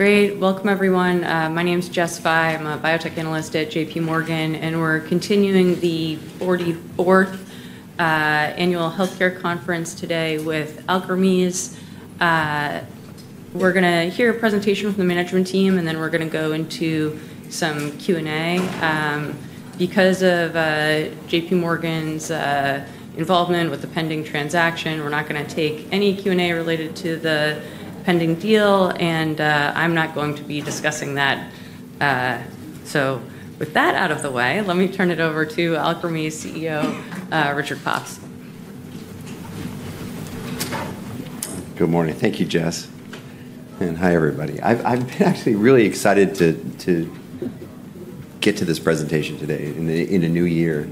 Great. Welcome, everyone. My name's Jess Fye. I'm a biotech analyst at J.P. Morgan, and we're continuing the 44th Annual Healthcare Conference today with Alkermes. We're going to hear a presentation from the management team, and then we're going to go into some Q&A. Because of J.P. Morgan's involvement with the pending transaction, we're not going to take any Q&A related to the pending deal, and I'm not going to be discussing that. So with that out of the way, let me turn it over to Alkermes CEO, Richard Pops. Good morning. Thank you, Jess. And hi, everybody. I'm actually really excited to get to this presentation today in a new year,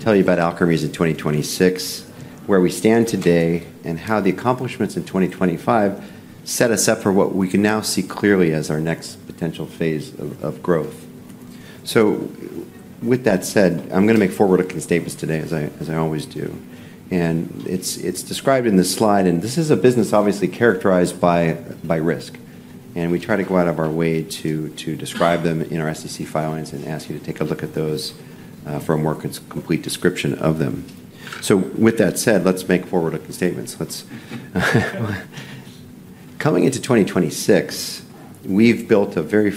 tell you about Alkermes in 2026, where we stand today, and how the accomplishments in 2025 set us up for what we can now see clearly as our next potential phase of growth. So with that said, I'm going to make forward-looking statements today, as I always do. And it's described in this slide, and this is a business obviously characterized by risk. And we try to go out of our way to describe them in our SEC filings and ask you to take a look at those for a more complete description of them. So with that said, let's make forward-looking statements. Coming into 2026, we've built a very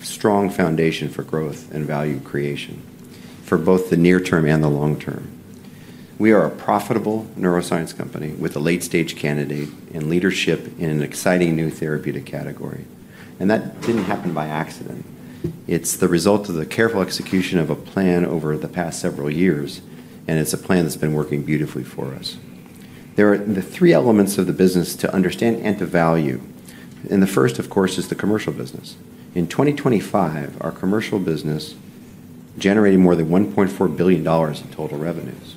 strong foundation for growth and value creation for both the near term and the long term. We are a profitable neuroscience company with a late-stage candidate and leadership in an exciting new therapeutic category. That didn't happen by accident. It's the result of the careful execution of a plan over the past several years, and it's a plan that's been working beautifully for us. There are three elements of the business to understand and to value. The first, of course, is the commercial business. In 2025, our commercial business generated more than $1.4 billion in total revenues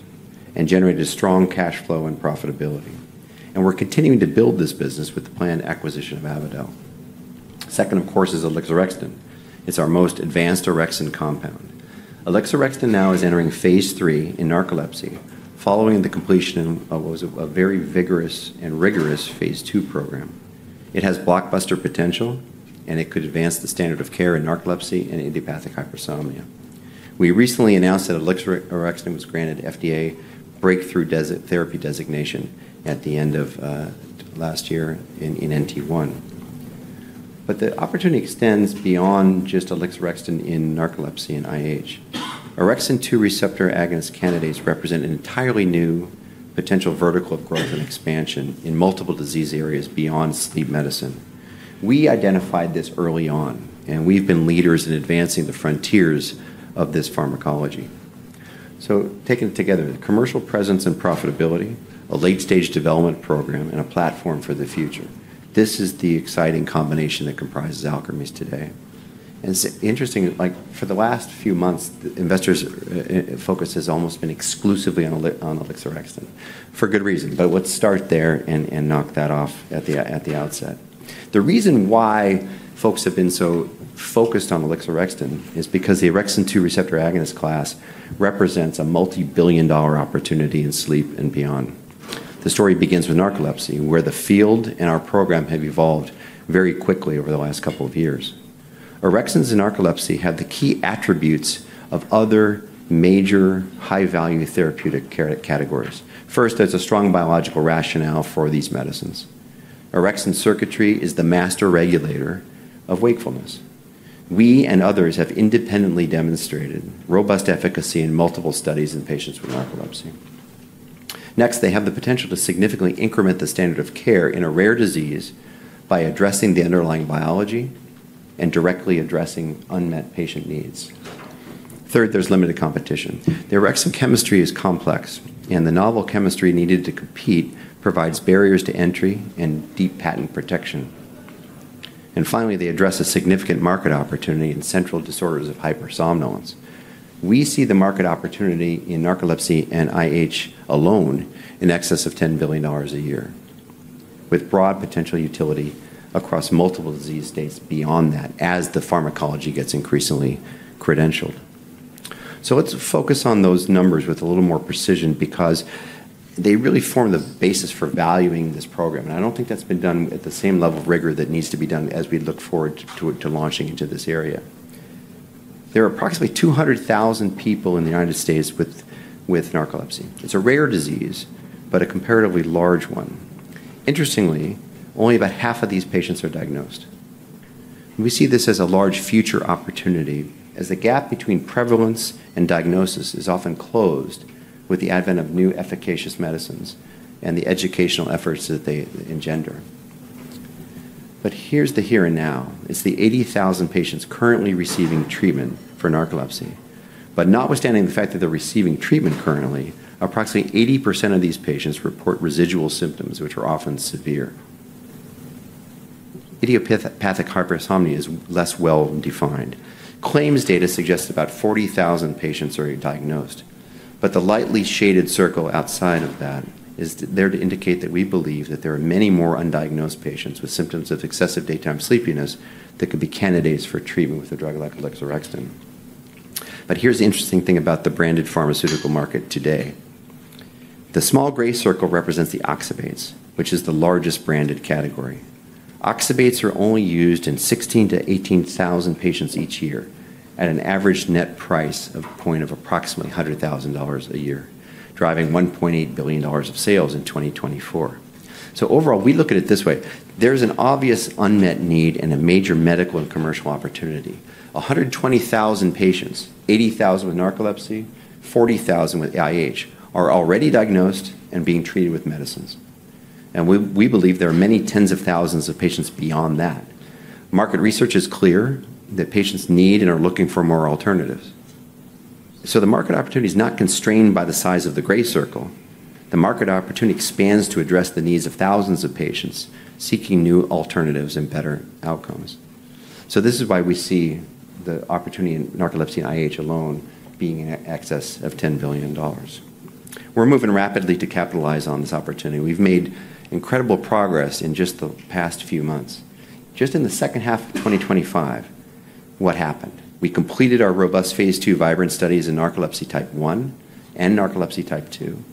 and generated strong cash flow and profitability. We're continuing to build this business with the planned acquisition of Avidel. Second, of course, is ALKS 2680. It's our most advanced orexin compound. ALKS 2680 now is entering Phase 3 in narcolepsy, following the completion of a very vigorous and rigorous Phase 2 program. It has blockbuster potential, and it could advance the standard of care in narcolepsy and idiopathic hypersomnia. We recently announced that ALKS 2680 was granted FDA Breakthrough Therapy designation at the end of last year in NT1. But the opportunity extends beyond just ALKS 2680 in narcolepsy and IH. Orexin 2 receptor agonist candidates represent an entirely new potential vertical of growth and expansion in multiple disease areas beyond sleep medicine. We identified this early on, and we've been leaders in advancing the frontiers of this pharmacology. So taken together, the commercial presence and profitability, a late-stage development program, and a platform for the future, this is the exciting combination that comprises Alkermes today. And it's interesting, for the last few months, investors' focus has almost been exclusively on ALKS 2680, for good reason. But let's start there and knock that off at the outset. The reason why folks have been so focused on ALKS 2680 is because the Orexin 2 receptor agonist class represents a multi-billion-dollar opportunity in sleep and beyond. The story begins with narcolepsy, where the field and our program have evolved very quickly over the last couple of years. Orexins in narcolepsy have the key attributes of other major high-value therapeutic categories. First, there's a strong biological rationale for these medicines. Orexin circuitry is the master regulator of wakefulness. We and others have independently demonstrated robust efficacy in multiple studies in patients with narcolepsy. Next, they have the potential to significantly increment the standard of care in a rare disease by addressing the underlying biology and directly addressing unmet patient needs. Third, there's limited competition. The Orexin chemistry is complex, and the novel chemistry needed to compete provides barriers to entry and deep patent protection. Finally, they address a significant market opportunity in central disorders of hypersomnolence. We see the market opportunity in narcolepsy and IH alone in excess of $10 billion a year, with broad potential utility across multiple disease states beyond that as the pharmacology gets increasingly credentialed. Let's focus on those numbers with a little more precision because they really form the basis for valuing this program. And I don't think that's been done at the same level of rigor that needs to be done as we look forward to launching into this area. There are approximately 200,000 people in the United States with narcolepsy. It's a rare disease, but a comparatively large one. Interestingly, only about half of these patients are diagnosed. We see this as a large future opportunity as the gap between prevalence and diagnosis is often closed with the advent of new efficacious medicines and the educational efforts that they engender, but here's the here and now. It's the 80,000 patients currently receiving treatment for narcolepsy, but notwithstanding the fact that they're receiving treatment currently, approximately 80% of these patients report residual symptoms, which are often severe. Idiopathic hypersomnia is less well defined. Claims data suggest about 40,000 patients are diagnosed, but the lightly shaded circle outside of that is there to indicate that we believe that there are many more undiagnosed patients with symptoms of excessive daytime sleepiness that could be candidates for treatment with a drug like ALKS 2680, but here's the interesting thing about the branded pharmaceutical market today. The small gray circle represents the oxybates, which is the largest branded category. Oxybates are only used in 16,000 to 18,000 patients each year at an average net price of approximately $100,000 a year, driving $1.8 billion of sales in 2024. So overall, we look at it this way. There's an obvious unmet need and a major medical and commercial opportunity. 120,000 patients, 80,000 with narcolepsy, 40,000 with IH are already diagnosed and being treated with medicines. And we believe there are many tens of thousands of patients beyond that. Market research is clear that patients need and are looking for more alternatives. So the market opportunity is not constrained by the size of the gray circle. The market opportunity expands to address the needs of thousands of patients seeking new alternatives and better outcomes. So this is why we see the opportunity in narcolepsy and IH alone being in excess of $10 billion. We're moving rapidly to capitalize on this opportunity. We've made incredible progress in just the past few months. Just in the second half of 2025, what happened? We completed our robust Phase 2 Vibrance studies in narcolepsy type 1 and narcolepsy type two,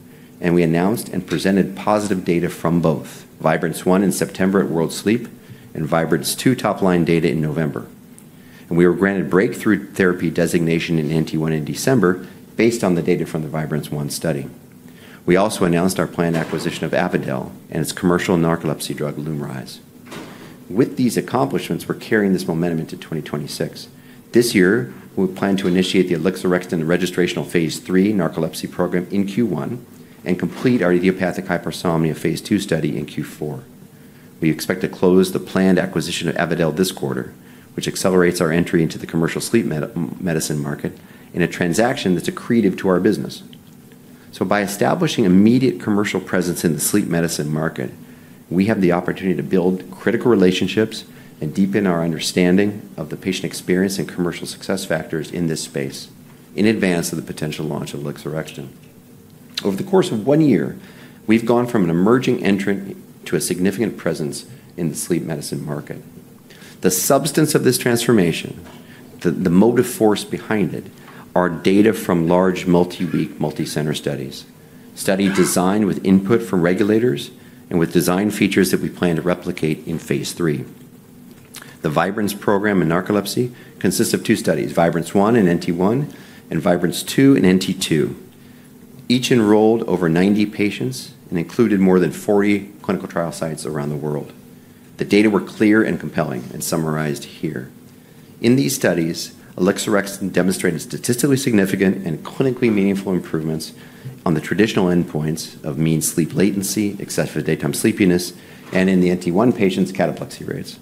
and we announced and presented positive data from both Vibrance-1 in September at World Sleep and Vibrance-2 top-line data in November. And we were granted breakthrough therapy designation in NT1 in December based on the data from the Vibrance-1 study. We also announced our planned acquisition of Avidel and its commercial narcolepsy drug Lumryz. With these accomplishments, we're carrying this momentum into 2026. This year, we plan to initiate the ALKS 2680 registrational Phase 3 narcolepsy program in Q1 and complete our idiopathic hypersomnia Phase 2 study in Q4. We expect to close the planned acquisition of Avidel this quarter, which accelerates our entry into the commercial sleep medicine market in a transaction that's accretive to our business. So by establishing immediate commercial presence in the sleep medicine market, we have the opportunity to build critical relationships and deepen our understanding of the patient experience and commercial success factors in this space in advance of the potential launch of ALKS 2680. Over the course of one year, we've gone from an emerging entrant to a significant presence in the sleep medicine market. The substance of this transformation, the motive force behind it, are data from large multi-week, multi-center studies, studies designed with input from regulators and with design features that we plan to replicate in Phase 3. The Vibrance program in narcolepsy consists of two studies, Vibrance-1 in NT1 and Vibrance-2 in NT2, each enrolled over 90 patients and included more than 40 clinical trial sites around the world. The data were clear and compelling and summarized here. In these studies, ALKS 2680 demonstrated statistically significant and clinically meaningful improvements on the traditional endpoints of mean sleep latency, excessive daytime sleepiness, and in the NT1 patients' cataplexy rates.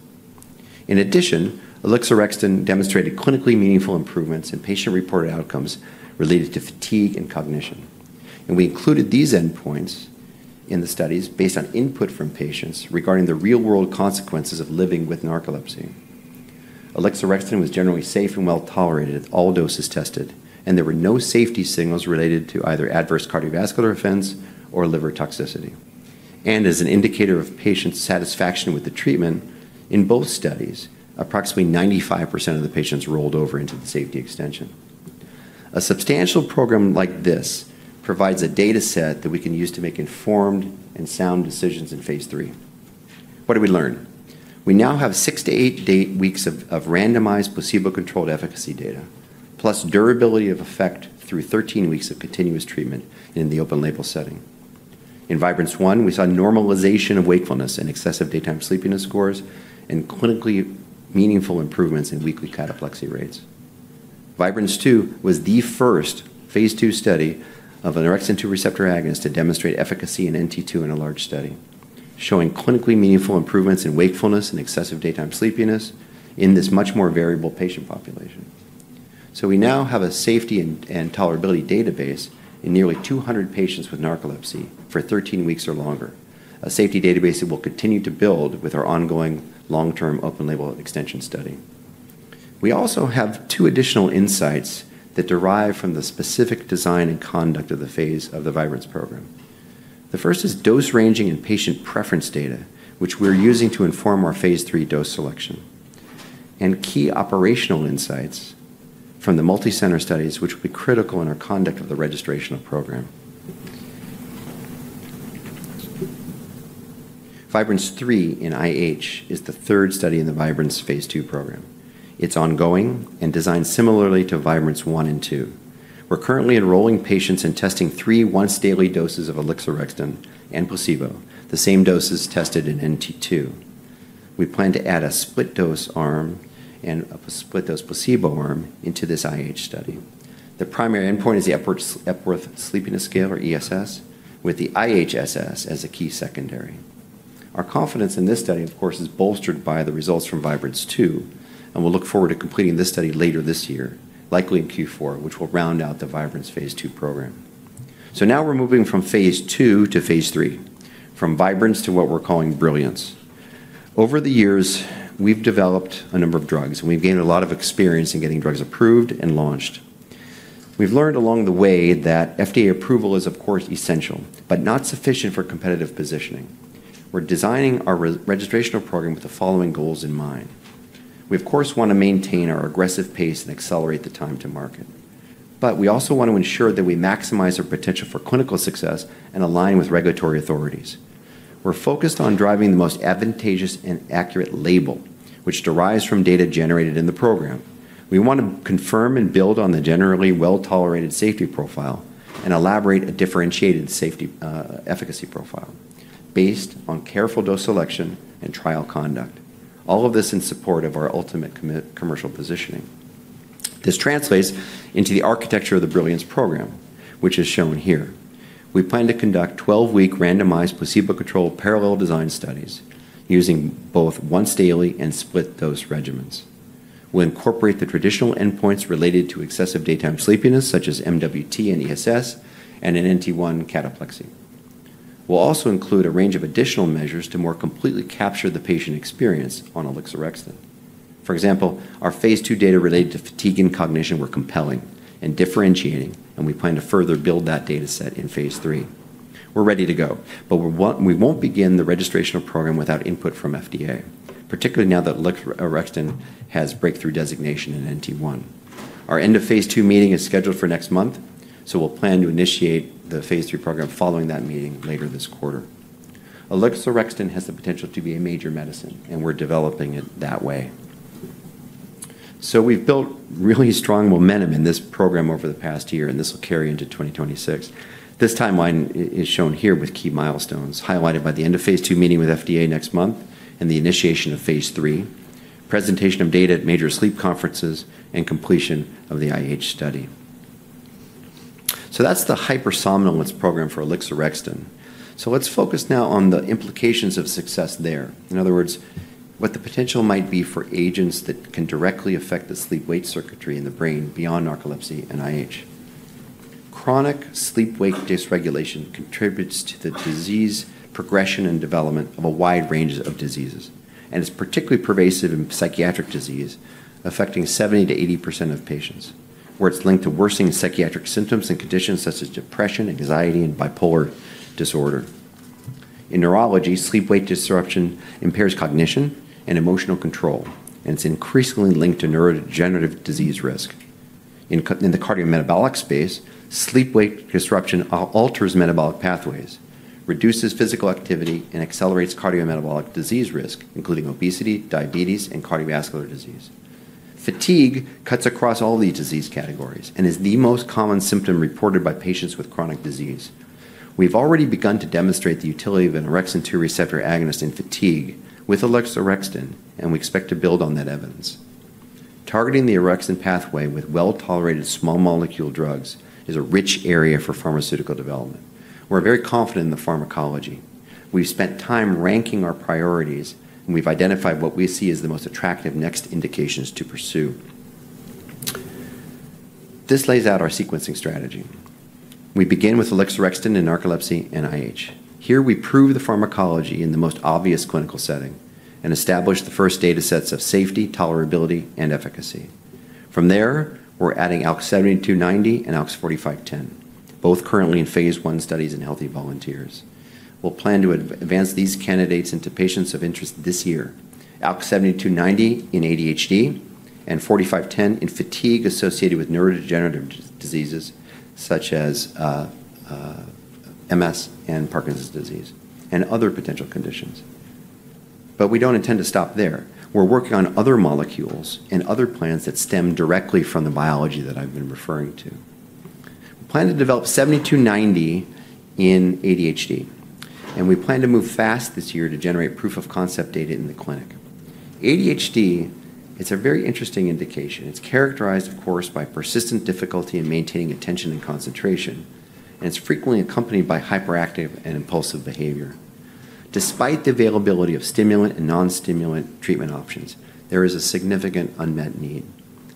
In addition, ALKS 2680 demonstrated clinically meaningful improvements in patient-reported outcomes related to fatigue and cognition. And we included these endpoints in the studies based on input from patients regarding the real-world consequences of living with narcolepsy. ALKS 2680 was generally safe and well tolerated at all doses tested, and there were no safety signals related to either adverse cardiovascular events or liver toxicity. As an indicator of patient satisfaction with the treatment, in both studies, approximately 95% of the patients rolled over into the safety extension. A substantial program like this provides a dataset that we can use to make informed and sound decisions in phase 3. What did we learn? We now have six to eight weeks of randomized placebo-controlled efficacy data, plus durability of effect through 13 weeks of continuous treatment in the open-label setting. In Vibrance-1, we saw normalization of wakefulness and excessive daytime sleepiness scores and clinically meaningful improvements in weekly cataplexy rates. Vibrance-2 was the first phase 2 study of an Orexin 2 receptor agonist to demonstrate efficacy in NT2 in a large study, showing clinically meaningful improvements in wakefulness and excessive daytime sleepiness in this much more variable patient population. So we now have a safety and tolerability database in nearly 200 patients with narcolepsy for 13 weeks or longer, a safety database that we'll continue to build with our ongoing long-term open-label extension study. We also have two additional insights that derive from the specific design and conduct of Phase 2 of the Vibrance program. The first is dose ranging and patient preference data, which we're using to inform our Phase 3 dose selection, and key operational insights from the multi-center studies, which will be critical in our conduct of the registrational program. Vibrance-3 in IH is the third study in the Vibrance Phase 2 program. It's ongoing and designed similarly to Vibrance-1 and two. We're currently enrolling patients and testing three once-daily doses of ALKS 2680 and placebo, the same doses tested in NT2. We plan to add a split-dose arm and a split-dose placebo arm into this IH study. The primary endpoint is the Epworth Sleepiness Scale, or ESS, with the IHSS as a key secondary. Our confidence in this study, of course, is bolstered by the results from Vibrance-2, and we'll look forward to completing this study later this year, likely in Q4, which will round out the Vibrance Phase 2 program. So now we're moving from Phase 2 to Phase 3, from Vibrance to what we're calling Brilliance. Over the years, we've developed a number of drugs, and we've gained a lot of experience in getting drugs approved and launched. We've learned along the way that FDA approval is, of course, essential, but not sufficient for competitive positioning. We're designing our registrational program with the following goals in mind. We, of course, want to maintain our aggressive pace and accelerate the time to market. But we also want to ensure that we maximize our potential for clinical success and align with regulatory authorities. We're focused on driving the most advantageous and accurate label, which derives from data generated in the program. We want to confirm and build on the generally well-tolerated safety profile and elaborate a differentiated safety efficacy profile based on careful dose selection and trial conduct, all of this in support of our ultimate commercial positioning. This translates into the architecture of the Brilliance program, which is shown here. We plan to conduct 12-week randomized placebo-controlled parallel design studies using both once-daily and split-dose regimens. We'll incorporate the traditional endpoints related to excessive daytime sleepiness, such as MWT and ESS, and in NT1 cataplexy. We'll also include a range of additional measures to more completely capture the patient experience on ALKS 2680. For example, our Phase 2 data related to fatigue and cognition were compelling and differentiating, and we plan to further build that dataset in Phase 3. We're ready to go, but we won't begin the registrational program without input from FDA, particularly now that ALKS 2680 has breakthrough designation in NT1. Our end-of-Phase 2 meeting is scheduled for next month, so we'll plan to initiate the Phase 3 program following that meeting later this quarter. ALKS 2680 has the potential to be a major medicine, and we're developing it that way. So we've built really strong momentum in this program over the past year, and this will carry into 2026. This timeline is shown here with key milestones highlighted by the end-of-Phase 2 meeting with FDA next month and the initiation of Phase 3, presentation of data at major sleep conferences, and completion of the IH study. So that's the hypersomnolence program for ALKS 2680. So let's focus now on the implications of success there. In other words, what the potential might be for agents that can directly affect the sleep-wake circuitry in the brain beyond narcolepsy and IH. Chronic sleep-wake dysregulation contributes to the disease progression and development of a wide range of diseases, and it's particularly pervasive in psychiatric disease affecting 70%-80% of patients, where it's linked to worsening psychiatric symptoms and conditions such as depression, anxiety, and bipolar disorder. In neurology, sleep-wake disruption impairs cognition and emotional control, and it's increasingly linked to neurodegenerative disease risk. In the cardiometabolic space, sleep-wake disruption alters metabolic pathways, reduces physical activity, and accelerates cardiometabolic disease risk, including obesity, diabetes, and cardiovascular disease. Fatigue cuts across all these disease categories and is the most common symptom reported by patients with chronic disease. We've already begun to demonstrate the utility of an Orexin 2 receptor agonist in fatigue with ALKS 2680, and we expect to build on that evidence. Targeting the Orexin pathway with well-tolerated small-molecule drugs is a rich area for pharmaceutical development. We're very confident in the pharmacology. We've spent time ranking our priorities, and we've identified what we see as the most attractive next indications to pursue. This lays out our sequencing strategy. We begin with ALKS 2680 in narcolepsy and IH. Here, we prove the pharmacology in the most obvious clinical setting and establish the first datasets of safety, tolerability, and efficacy. From there, we're adding ALKS 7290 and ALKS 4510, both currently in Phase 1 studies in healthy volunteers. We'll plan to advance these candidates into patients of interest this year: ALKS 7290 in ADHD and 4510 in fatigue associated with neurodegenerative diseases such as MS and Parkinson's disease and other potential conditions. But we don't intend to stop there. We're working on other molecules and other plans that stem directly from the biology that I've been referring to. We plan to develop 7290 in ADHD, and we plan to move fast this year to generate proof-of-concept data in the clinic. ADHD, it's a very interesting indication. It's characterized, of course, by persistent difficulty in maintaining attention and concentration, and it's frequently accompanied by hyperactive and impulsive behavior. Despite the availability of stimulant and non-stimulant treatment options, there is a significant unmet need.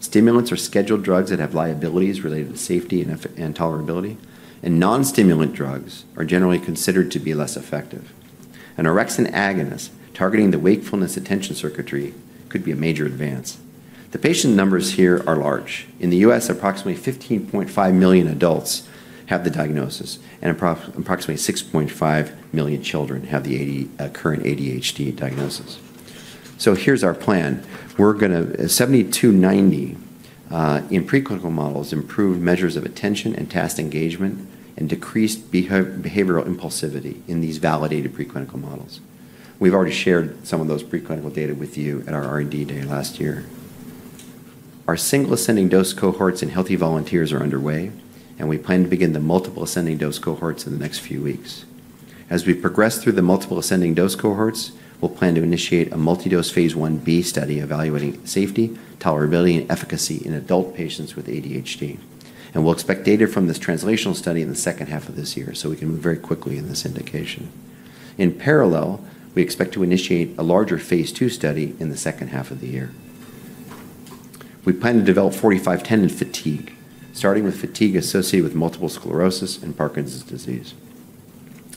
Stimulants are scheduled drugs that have liabilities related to safety and tolerability, and non-stimulant drugs are generally considered to be less effective. An orexin agonist targeting the wakefulness attention circuitry could be a major advance. The patient numbers here are large. In the U.S., approximately 15.5 million adults have the diagnosis, and approximately 6.5 million children have the current ADHD diagnosis. So here's our plan. We're going to ALK-7290 in preclinical models improve measures of attention and task engagement and decrease behavioral impulsivity in these validated preclinical models. We've already shared some of those preclinical data with you at our R&D day last year. Our single-ascending dose cohorts in healthy volunteers are underway, and we plan to begin the multiple-ascending dose cohorts in the next few weeks. As we progress through the multiple-ascending dose cohorts, we'll plan to initiate a multi-dose Phase 1b study evaluating safety, tolerability, and efficacy in adult patients with ADHD, and we'll expect data from this translational study in the second half of this year, so we can move very quickly in this indication. In parallel, we expect to initiate a larger phase 2 study in the second half of the year. We plan to develop 4510 in fatigue, starting with fatigue associated with multiple sclerosis and Parkinson's disease.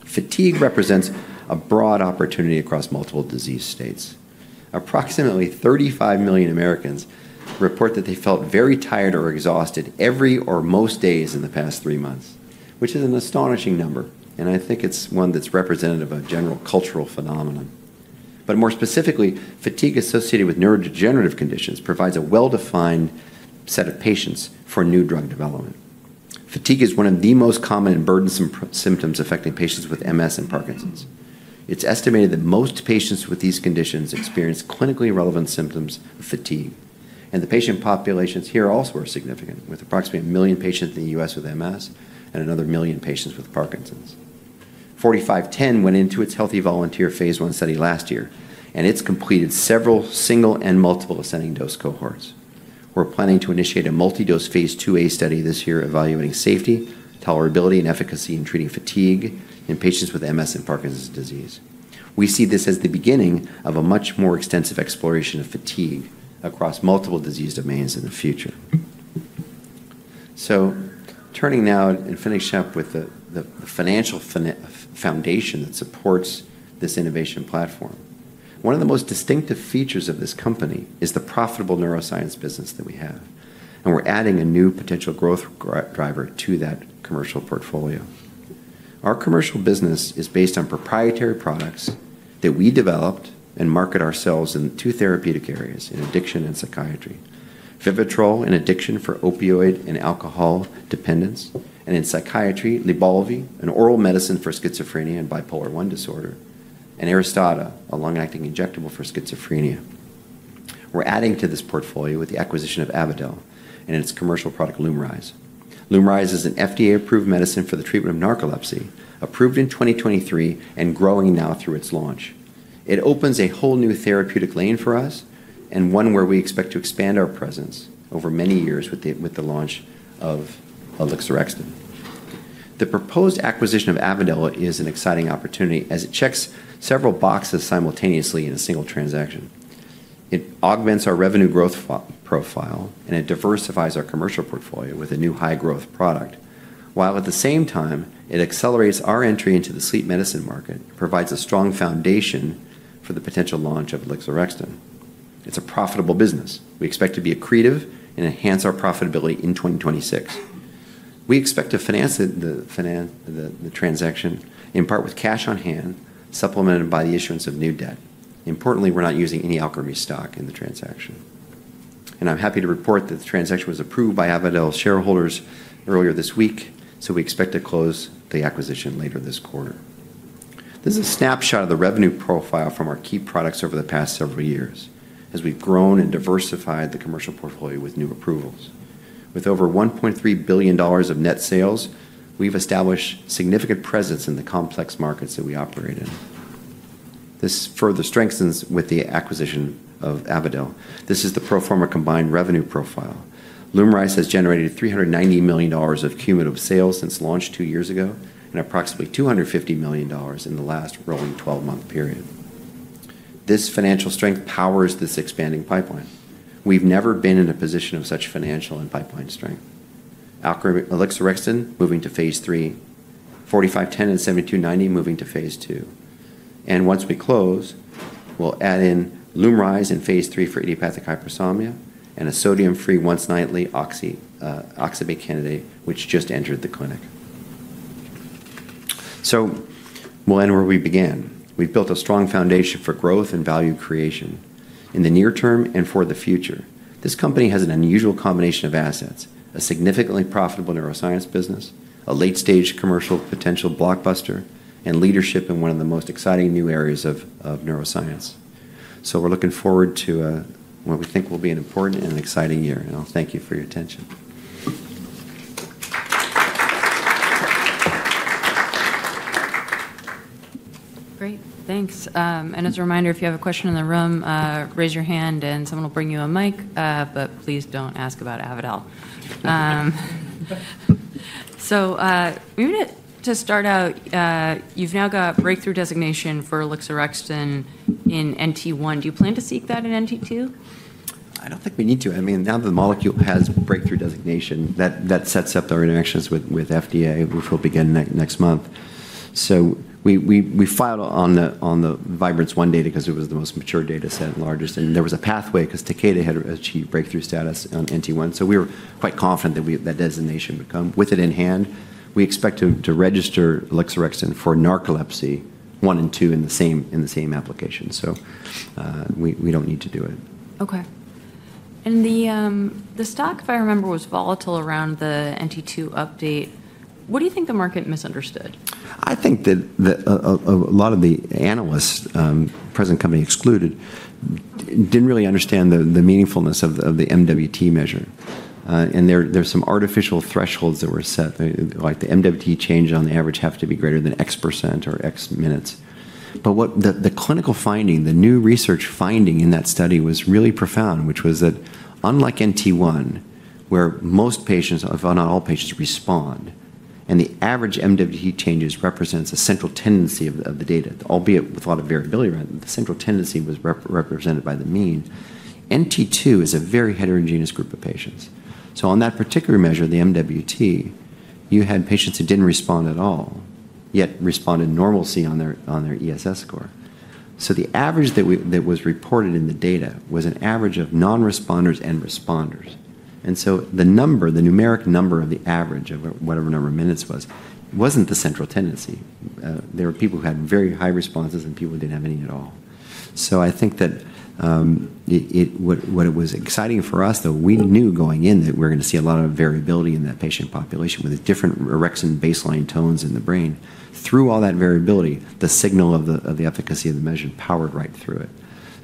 Fatigue represents a broad opportunity across multiple disease states. Approximately 35 million Americans report that they felt very tired or exhausted every or most days in the past three months, which is an astonishing number, and I think it's one that's representative of a general cultural phenomenon. More specifically, fatigue associated with neurodegenerative conditions provides a well-defined set of patients for new drug development. Fatigue is one of the most common and burdensome symptoms affecting patients with MS and Parkinson's. It's estimated that most patients with these conditions experience clinically relevant symptoms of fatigue. And the patient populations here also are significant, with approximately a million patients in the U.S. with MS and another million patients with Parkinson's. 4510 went into its healthy volunteer phase 1 study last year, and it's completed several single and multiple-ascending dose cohorts. We're planning to initiate a Phase 2a study this year evaluating safety, tolerability, and efficacy in treating fatigue in patients with MS and Parkinson's disease. We see this as the beginning of a much more extensive exploration of fatigue across multiple disease domains in the future. So turning now and finishing up with the financial foundation that supports this innovation platform. One of the most distinctive features of this company is the profitable neuroscience business that we have, and we're adding a new potential growth driver to that commercial portfolio. Our commercial business is based on proprietary products that we developed and market ourselves in two therapeutic areas: in addiction and psychiatry, Vivitrol, an addiction for opioid and alcohol dependence, and in psychiatry, Lybalvi, an oral medicine for schizophrenia and bipolar I disorder, and Aristada, a long-acting injectable for schizophrenia. We're adding to this portfolio with the acquisition of Avidel and its commercial product, Lumryz. Lumryz is an FDA-approved medicine for the treatment of narcolepsy, approved in 2023 and growing now through its launch. It opens a whole new therapeutic lane for us and one where we expect to expand our presence over many years with the launch of ALKS 2680. The proposed acquisition of Avidel is an exciting opportunity as it checks several boxes simultaneously in a single transaction. It augments our revenue growth profile and it diversifies our commercial portfolio with a new high-growth product, while at the same time, it accelerates our entry into the sleep medicine market and provides a strong foundation for the potential launch of ALKS 2680. It's a profitable business. We expect to be accretive and enhance our profitability in 2026. We expect to finance the transaction in part with cash on hand, supplemented by the issuance of new debt. Importantly, we're not using any Alkermes stock in the transaction. I'm happy to report that the transaction was approved by Avidel's shareholders earlier this week, so we expect to close the acquisition later this quarter. This is a snapshot of the revenue profile from our key products over the past several years as we've grown and diversified the commercial portfolio with new approvals. With over $1.3 billion of net sales, we've established significant presence in the complex markets that we operate in. This further strengthens with the acquisition of Avidel. This is the pro forma combined revenue profile. Lumryz has generated $390 million of cumulative sales since launch two years ago and approximately $250 million in the last trailing 12-month period. This financial strength powers this expanding pipeline. We've never been in a position of such financial and pipeline strength. ALKS 2680 moving to Phase 3, 4510 and 7290 moving to Phase 2. Once we close, we'll add in Lumryz in Phase 3 for idiopathic hypersomnia and a sodium-free once-nightly oxybate candidate, which just entered the clinic. We'll end where we began. We've built a strong foundation for growth and value creation in the near term and for the future. This company has an unusual combination of assets: a significantly profitable neuroscience business, a late-stage commercial potential blockbuster, and leadership in one of the most exciting new areas of neuroscience. We're looking forward to what we think will be an important and exciting year, and I'll thank you for your attention. Great. Thanks. And as a reminder, if you have a question in the room, raise your hand, and someone will bring you a mic, but please don't ask about Avidel. So maybe to start out, you've now got Breakthrough Therapy designation for ALKS 2680 in NT1. Do you plan to seek that in NT2? I don't think we need to. I mean, now the molecule has breakthrough designation that sets up our interactions with FDA, which will begin next month. So we filed on the Vibrance-1 data because it was the most mature data set and largest, and there was a pathway because Takeda had achieved breakthrough status on NT1, so we were quite confident that designation would come. With it in hand, we expect to register ALKS 2680 for narcolepsy type 1 and two in the same application, so we don't need to do it. Okay. And the stock, if I remember, was volatile around the NT2 update. What do you think the market misunderstood? I think that a lot of the analysts, present company excluded, didn't really understand the meaningfulness of the MWT measure. And there's some artificial thresholds that were set, like the MWT change on the average have to be greater than X% or X minutes. But the clinical finding, the new research finding in that study was really profound, which was that unlike NT1, where most patients, if not all patients, respond, and the average MWT changes represents a central tendency of the data, albeit with a lot of variability around it, the central tendency was represented by the mean. NT2 is a very heterogeneous group of patients. So on that particular measure, the MWT, you had patients that didn't respond at all, yet responded normalcy on their ESS score. So the average that was reported in the data was an average of non-responders and responders. And so the number, the numeric number of the average of whatever number of minutes was, wasn't the central tendency. There were people who had very high responses and people who didn't have any at all. So I think that what was exciting for us, though, we knew going in that we were going to see a lot of variability in that patient population with different Orexin baseline tones in the brain. Through all that variability, the signal of the efficacy of the measure powered right through it.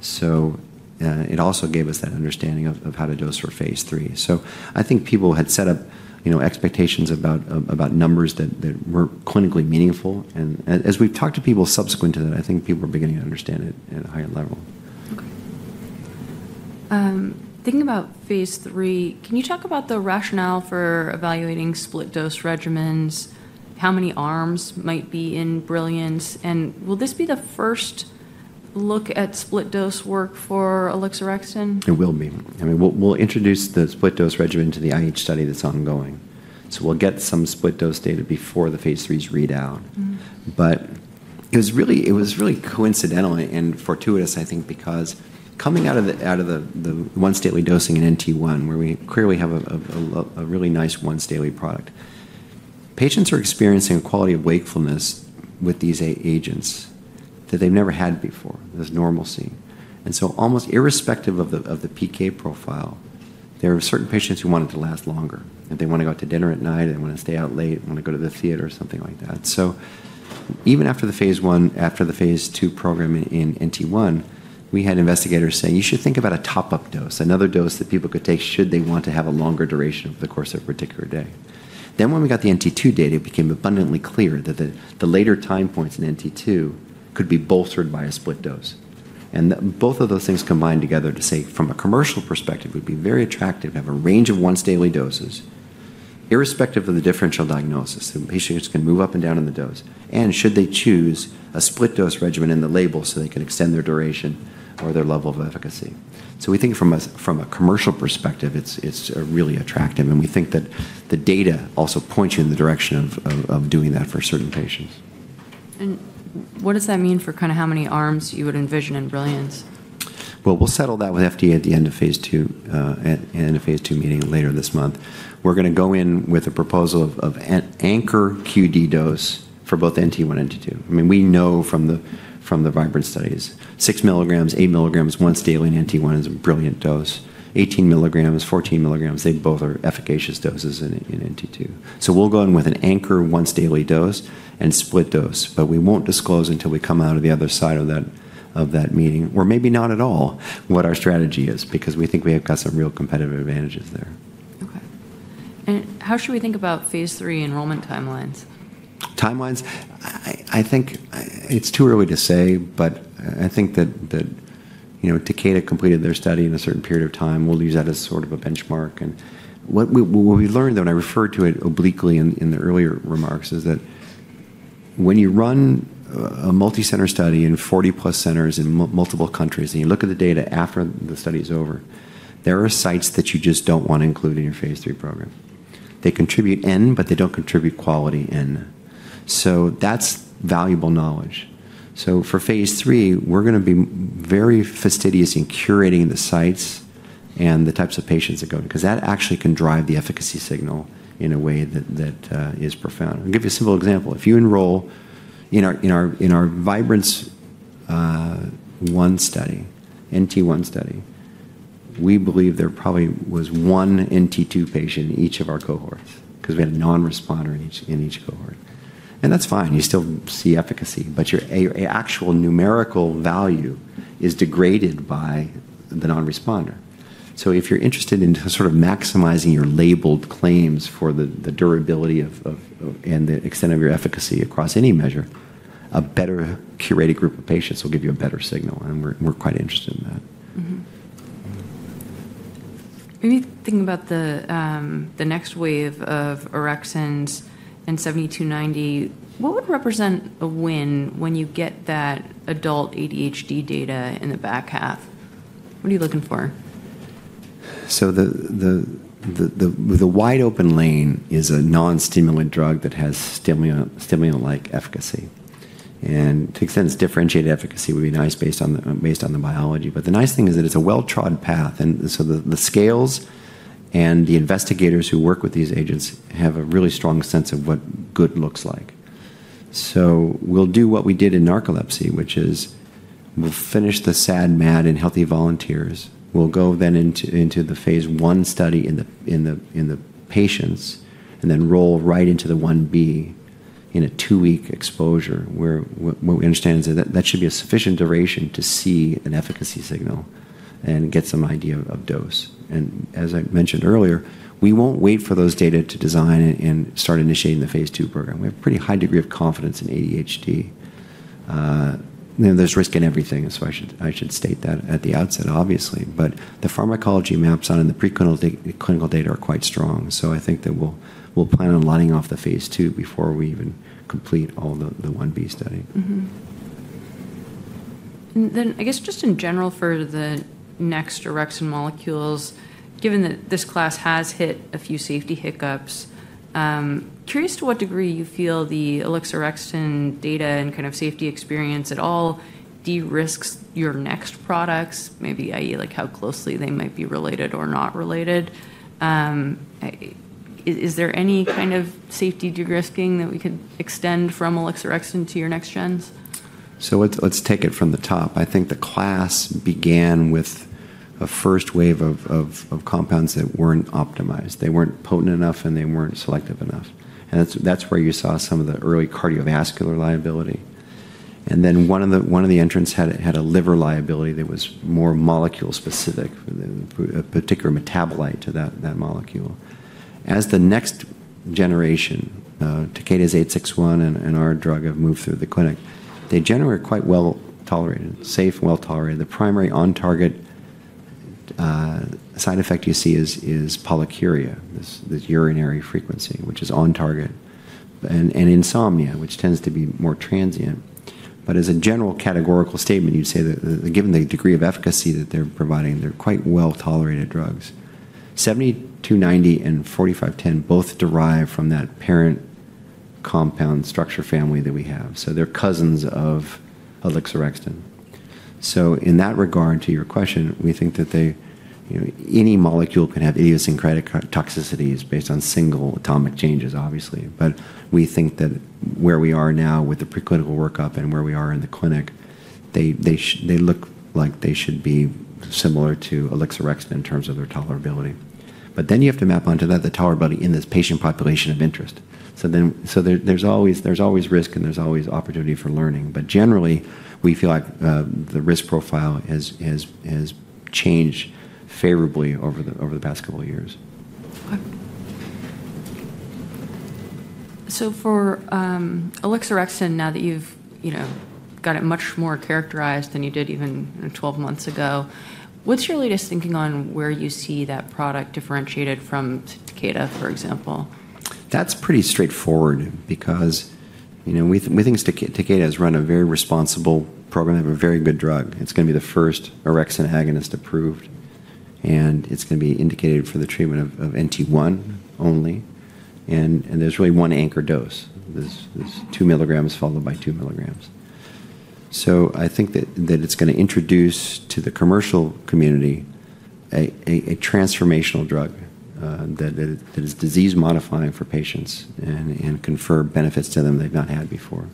So it also gave us that understanding of how to dose for Phase 3. So I think people had set up expectations about numbers that weren't clinically meaningful. And as we've talked to people subsequent to that, I think people are beginning to understand it at a higher level. Okay. Thinking about phase 3, can you talk about the rationale for evaluating split dose regimens? How many arms might be in Brilliance? And will this be the first look at split dose work for ALKS 2680? It will be. I mean, we'll introduce the split dose regimen to the IH study that's ongoing. So we'll get some split dose data before the phase 3's readout. But it was really coincidental and fortuitous, I think, because coming out of the once-daily dosing in NT1, where we clearly have a really nice once-daily product, patients are experiencing a quality of wakefulness with these agents that they've never had before, this normalcy. And so almost irrespective of the PK profile, there are certain patients who want it to last longer, and they want to go out to dinner at night, and they want to stay out late, want to go to the theater, something like that. Even after the phase 1, after the phase 2 program in NT1, we had investigators say, "You should think about a top-up dose, another dose that people could take should they want to have a longer duration over the course of a particular day." When we got the NT2 data, it became abundantly clear that the later time points in NT2 could be bolstered by a split dose. Both of those things combined together to say, from a commercial perspective, would be very attractive to have a range of once-daily doses, irrespective of the differential diagnosis. The patient can move up and down in the dose. Should they choose a split dose regimen in the label so they can extend their duration or their level of efficacy? We think from a commercial perspective, it's really attractive, and we think that the data also points you in the direction of doing that for certain patients. What does that mean for kind of how many arms you would envision in Brilliance? We'll settle that with FDA at the end of Phase 2, at the end of Phase 2 meeting later this month. We're going to go in with a proposal of an anchor QD dose for both NT1 and NT2. I mean, we know from the Vibrance studies, six milligrams, eight milligrams once daily in NT1 is a brilliant dose. 18 milligrams, 14 milligrams, they both are efficacious doses in NT2. So we'll go in with an anchor once-daily dose and split dose, but we won't disclose until we come out of the other side of that meeting, or maybe not at all, what our strategy is, because we think we have got some real competitive advantages there. Okay, and how should we think about Phase 3 enrollment timelines? Timelines? I think it's too early to say, but I think that Takeda completed their study in a certain period of time. We'll use that as sort of a benchmark, and what we learned, and I referred to it obliquely in the earlier remarks, is that when you run a multicenter study in 40-plus centers in multiple countries, and you look at the data after the study is over, there are sites that you just don't want to include in your Phase 3 program. They contribute N, but they don't contribute quality N. So that's valuable knowledge, so for Phase 3, we're going to be very fastidious in curating the sites and the types of patients that go in, because that actually can drive the efficacy signal in a way that is profound. I'll give you a simple example. If you enroll in our Vibrance I study, NT1 study, we believe there probably was one NT2 patient in each of our cohorts because we had a non-responder in each cohort, and that's fine. You still see efficacy, but your actual numerical value is degraded by the non-responder, so if you're interested in sort of maximizing your labeled claims for the durability and the extent of your efficacy across any measure, a better curated group of patients will give you a better signal, and we're quite interested in that. Maybe thinking about the next wave of Orexins and 7290, what would represent a win when you get that adult ADHD data in the back half? What are you looking for? The wide-open lane is a non-stimulant drug that has stimulant-like efficacy. To extend its differentiated efficacy would be nice based on the biology. The nice thing is that it's a well-trod path, and the scales and the investigators who work with these agents have a really strong sense of what good looks like. We'll do what we did in narcolepsy, which is we'll finish the SAD, MAD, and healthy volunteers. We'll go then into the Phase 1 study in the patients and then roll right into the 1B in a two-week exposure, where we understand that that should be a sufficient duration to see an efficacy signal and get some idea of dose. As I mentioned earlier, we won't wait for those data to design and start initiating the Phase 2 program. We have a pretty high degree of confidence in ADHD. There's risk in everything, so I should state that at the outset, obviously, but the pharmacology maps on in the preclinical data are quite strong, so I think that we'll plan on lining off the Phase 2 before we even complete all the 1B study. I guess just in general for the next Orexin molecules, given that this class has hit a few safety hiccups. Curious to what degree you feel the ALKS 2680 data and kind of safety experience at all de-risk your next products, maybe i.e., how closely they might be related or not related. Is there any kind of safety de-risking that we could extend from ALKS 2680 to your next gens? So let's take it from the top. I think the class began with a first wave of compounds that weren't optimized. They weren't potent enough, and they weren't selective enough. And that's where you saw some of the early cardiovascular liability. And then one of the entrants had a liver liability that was more molecule-specific, a particular metabolite to that molecule. As the next generation, Takeda's 861 and our drug have moved through the clinic, they generally are quite well tolerated, safe and well tolerated. The primary on-target side effect you see is polyuria, this urinary frequency, which is on-target, and insomnia, which tends to be more transient. But as a general categorical statement, you'd say that given the degree of efficacy that they're providing, they're quite well tolerated drugs. 7290 and 4510 both derive from that parent compound structure family that we have, so they're cousins of ALKS 2680. So in that regard, to your question, we think that any molecule can have idiosyncratic toxicities based on single atomic changes, obviously. But we think that where we are now with the preclinical workup and where we are in the clinic, they look like they should be similar to ALKS 2680 in terms of their tolerability. But then you have to map onto that the tolerability in this patient population of interest. So there's always risk, and there's always opportunity for learning. But generally, we feel like the risk profile has changed favorably over the past couple of years. Okay. So for ALKS 2680, now that you've got it much more characterized than you did even 12 months ago, what's your latest thinking on where you see that product differentiated from Takeda, for example? That's pretty straightforward because we think Takeda has run a very responsible program. They have a very good drug. It's going to be the first Orexin agonist approved, and it's going to be indicated for the treatment of NT1 only, and there's really one anchor dose. There's two milligrams followed by two milligrams, so I think that it's going to introduce to the commercial community a transformational drug that is disease-modifying for patients and can confer benefits to them they've not had before,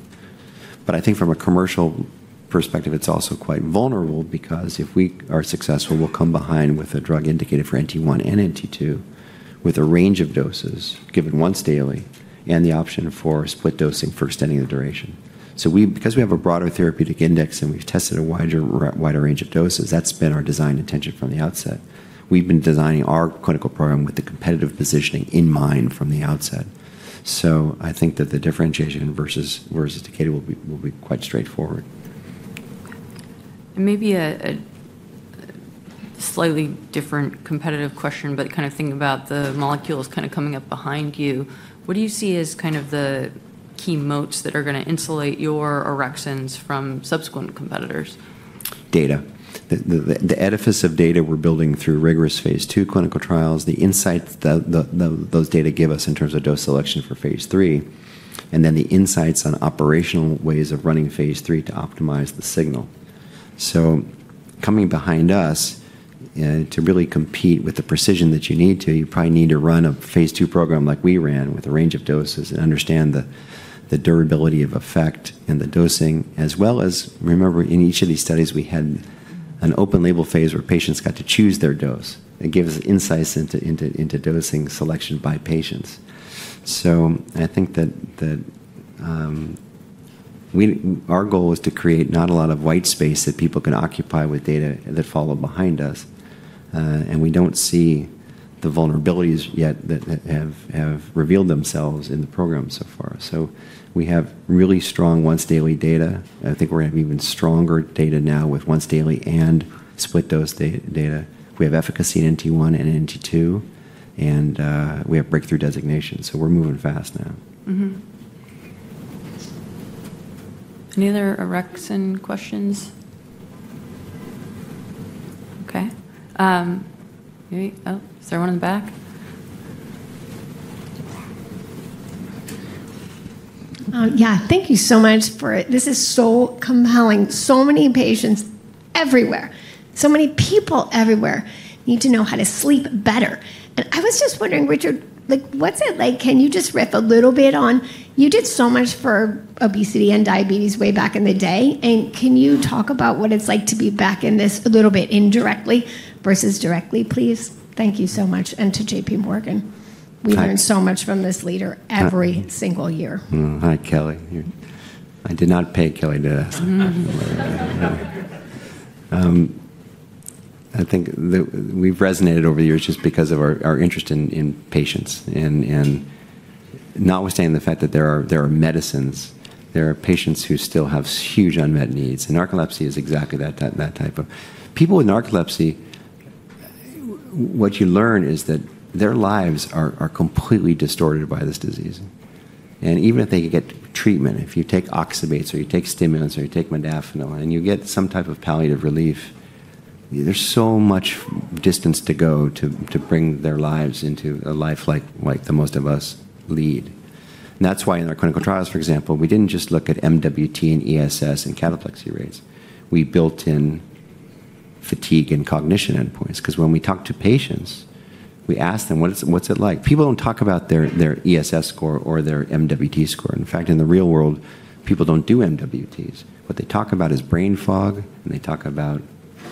but I think from a commercial perspective, it's also quite vulnerable because if we are successful, we'll come behind with a drug indicated for NT1 and NT2 with a range of doses given once daily and the option for split dosing for extending the duration. So because we have a broader therapeutic index and we've tested a wider range of doses, that's been our design intention from the outset. We've been designing our clinical program with the competitive positioning in mind from the outset. So I think that the differentiation versus Takeda will be quite straightforward. Maybe a slightly different competitive question, but kind of thinking about the molecules kind of coming up behind you, what do you see as kind of the key moats that are going to insulate your Orexins from subsequent competitors? Data. The edifice of data we're building through rigorous Phase 2 clinical trials, the insights that those data give us in terms of dose selection for Phase 3, and then the insights on operational ways of running Phase 3 to optimize the signal. So coming behind us, to really compete with the precision that you need to, you probably need to run a Phase 2 program like we ran with a range of doses and understand the durability of effect and the dosing, as well as remember, in each of these studies, we had an open label phase where patients got to choose their dose. It gives insights into dosing selection by patients. So I think that our goal is to create not a lot of white space that people can occupy with data that follow behind us, and we don't see the vulnerabilities yet that have revealed themselves in the program so far. So we have really strong once-daily data. I think we're going to have even stronger data now with once-daily and split dose data. We have efficacy in NT1 and NT2, and we have breakthrough designations. So we're moving fast now. Any other Orexin questions? Okay. Is there one in the back? Yeah. Thank you so much for it. This is so compelling. So many patients everywhere, so many people everywhere need to know how to sleep better. And I was just wondering, Richard, what's it like? Can you just riff a little bit on? You did so much for obesity and diabetes way back in the day. And can you talk about what it's like to be back in this a little bit indirectly versus directly, please? Thank you so much. And to J.P. Morgan. We learn so much from this leader every single year. Hi, Kelly. I did not pay Kelly to ask. I think we've resonated over the years just because of our interest in patients. And notwithstanding the fact that there are medicines, there are patients who still have huge unmet needs. And narcolepsy is exactly that type of people with narcolepsy. What you learn is that their lives are completely distorted by this disease. And even if they could get treatment, if you take oxybates or you take stimulants or you take modafinil and you get some type of palliative relief, there's so much distance to go to bring their lives into a life like the most of us lead. And that's why in our clinical trials, for example, we didn't just look at MWT and ESS and cataplexy rates. We built in fatigue and cognition endpoints because when we talk to patients, we ask them, "What's it like?" People don't talk about their ESS score or their MWT score. In fact, in the real world, people don't do MWTs. What they talk about is brain fog, and they talk about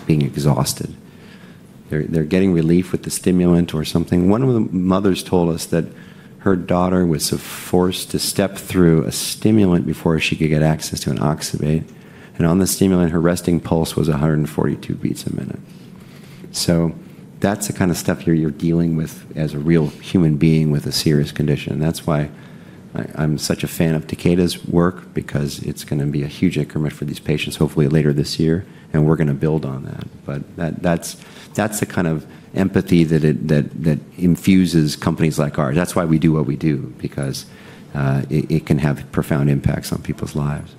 being exhausted. They're getting relief with the stimulant or something. One of the mothers told us that her daughter was forced to step through a stimulant before she could get access to an oxybate. And on the stimulant, her resting pulse was 142 beats a minute. So that's the kind of stuff you're dealing with as a real human being with a serious condition. And that's why I'm such a fan of Takeda's work, because it's going to be a huge increment for these patients, hopefully later this year, and we're going to build on that. But that's the kind of empathy that infuses companies like ours. That's why we do what we do, because it can have profound impacts on people's lives.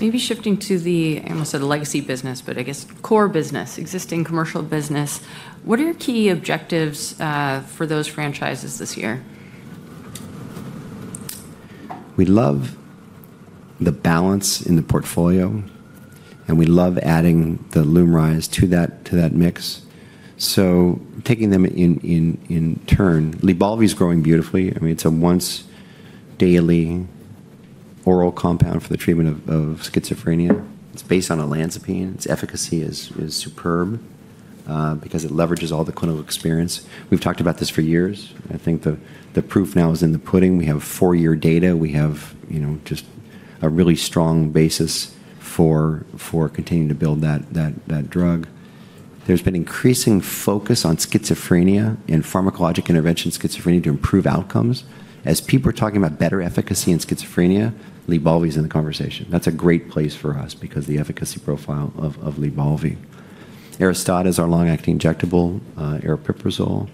Maybe shifting to the, I almost said legacy business, but I guess core business, existing commercial business, what are your key objectives for those franchises this year? We love the balance in the portfolio, and we love adding the Lumryz to that mix. So taking them in turn, Lybalvi is growing beautifully. I mean, it's a once-daily oral compound for the treatment of schizophrenia. It's based on olanzapine. Its efficacy is superb because it leverages all the clinical experience. We've talked about this for years. I think the proof now is in the pudding. We have four-year data. We have just a really strong basis for continuing to build that drug. There's been increasing focus on schizophrenia and pharmacologic intervention in schizophrenia to improve outcomes. As people are talking about better efficacy in schizophrenia, Lybalvi is in the conversation. That's a great place for us because of the efficacy profile of Lybalvi. Aristada is our long-acting injectable, aripiprazole.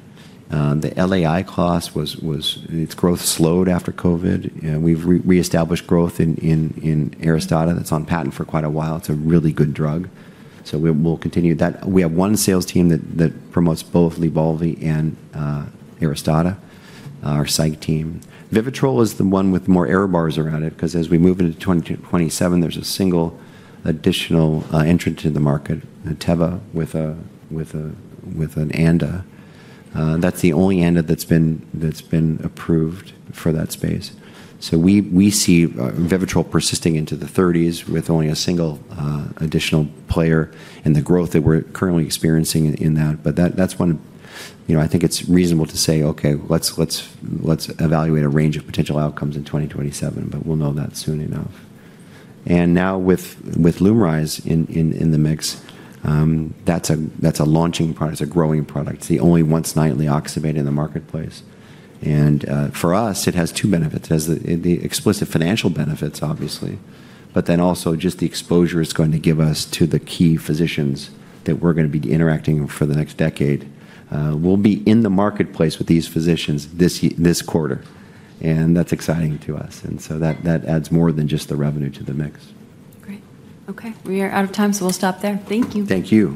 The LAI class, its growth slowed after COVID, and we've reestablished growth in Aristada. That's on patent for quite a while. It's a really good drug. So we'll continue that. We have one sales team that promotes both Lybalvi and Aristada, our psych team. Vivitrol is the one with more error bars around it because as we move into 2027, there's a single additional entrant in the market, Teva with an ANDA. That's the only ANDA that's been approved for that space. So we see Vivitrol persisting into the 30s with only a single additional player in the growth that we're currently experiencing in that. But that's when I think it's reasonable to say, "Okay, let's evaluate a range of potential outcomes in 2027," but we'll know that soon enough. And now with Lumryz in the mix, that's a launching product. It's a growing product. It's the only once-nightly oxybate in the marketplace. And for us, it has two benefits. It has the explicit financial benefits, obviously, but then also just the exposure it's going to give us to the key physicians that we're going to be interacting with for the next decade. We'll be in the marketplace with these physicians this quarter, and that's exciting to us. And so that adds more than just the revenue to the mix. Great. Okay. We are out of time, so we'll stop there. Thank you. Thank you.